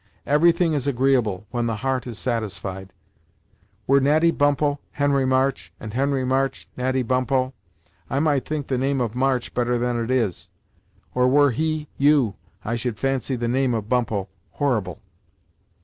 Everything is agreeable, when the heart is satisfied. Were Natty Bumppo, Henry March, and Henry March, Natty Bumppo, I might think the name of March better than it is; or were he, you, I should fancy the name of Bumppo horrible!"